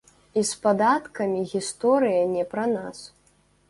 І з падаткамі гісторыя не пра нас.